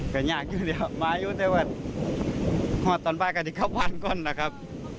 ก็ยากอยู่เดี๋ยวมาอยู่เทวดหอดตอนบ้านกันอีกครับวันก่อนล่ะครับ